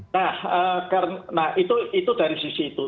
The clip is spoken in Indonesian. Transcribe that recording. nah karena itu dari sisi itu